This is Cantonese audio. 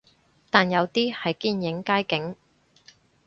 但都有啲係堅影街景